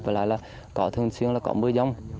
và lại là có thường xuyên là có mưa giông